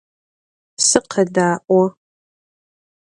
Сыкъэдаӏо.